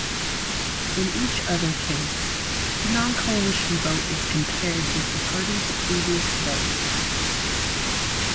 In each other case, the non-coalition vote is compared with the party's previous vote.